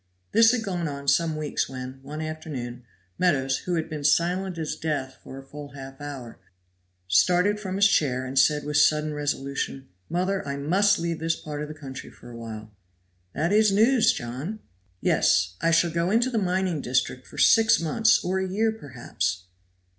This had gone on some weeks when, one afternoon, Meadows, who had been silent as death for a full half hour, started from his chair and said with sudden resolution: "Mother, I must leave this part of the country for a while." "That is news, John." "Yes. I shall go into the mining district for six months or a year, perhaps."